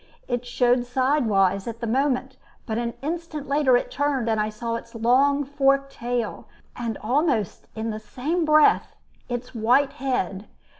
It showed sidewise at the moment, but an instant later it turned, and I saw its long forked tail, and almost in the same breath its white head.